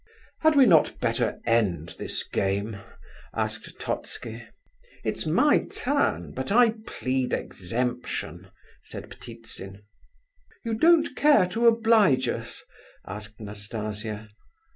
"Had we not better end this game?" asked Totski. "It's my turn, but I plead exemption," said Ptitsin. "You don't care to oblige us?" asked Nastasia.